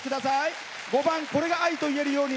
５番「これが愛と言えるように」